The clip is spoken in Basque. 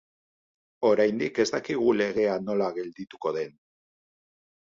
Oraindik ez dakigu legea nola geldituko den.